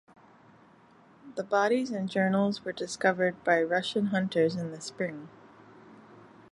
The bodies and journals were discovered by Russian hunters in the spring.